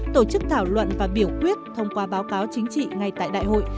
tổ chức thảo luận và biểu quyết thông qua báo cáo chính trị ngay tại đại hội